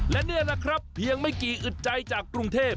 และนี่แหละครับเพียงไม่กี่อึดใจจากกรุงเทพ